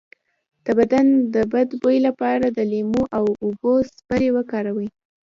د بدن د بد بوی لپاره د لیمو او اوبو سپری وکاروئ